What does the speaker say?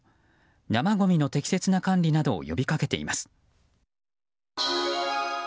生ごみの適切な管理などを呼び掛けています。